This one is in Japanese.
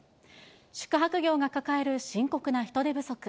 宿泊業が抱える深刻な人手不足。